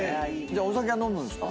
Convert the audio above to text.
お酒は飲むんですか？